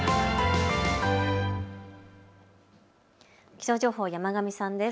気象情報、山神さんです。